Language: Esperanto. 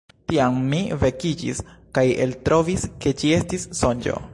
Tiam mi vekiĝis, kaj eltrovis, ke ĝi estis sonĝo.